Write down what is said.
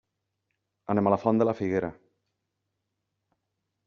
Anem a la Font de la Figuera.